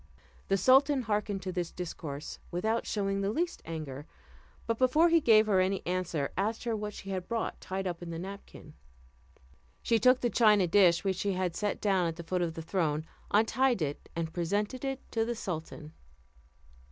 The sultan hearkened to this discourse without showing the least anger; but before he gave her any answer, asked her what she had brought tied up in the napkin. She took the china dish which she had set down at the foot of the throne, untied it, and presented it to the sultan.